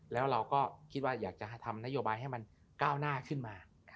แล้วเราก็คิดว่าอยากจะทำนโยบายให้มันก้าวหน้าขึ้นมา